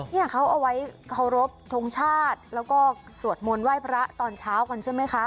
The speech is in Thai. เนี่ยเขาเอาไว้เคารพทงชาติแล้วก็สวดมนต์ไหว้พระตอนเช้ากันใช่ไหมคะ